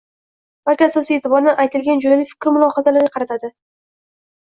balki asosiy e’tiborni aytilgan jo‘yali fikr-mulohazalarga qaratadi